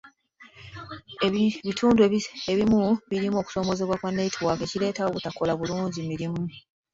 Ebitundu ebimu birina okusoomooza kwa neetiwaaka ekireetawo obutakola birungi mirimu.